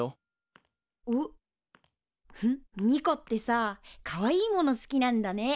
ニコってさかわいいもの好きなんだね。